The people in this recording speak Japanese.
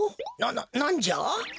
ななんじゃ？